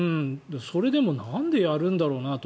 それでもなんでやるんだろうなと。